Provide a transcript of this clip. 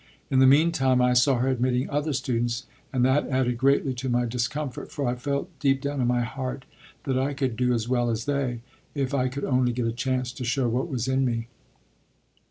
In the meantime I saw her admitting other students, and that added greatly to my discomfort, for I felt, deep down in my heart, that I could do as well as they, if I could only get a chance to show what was in me.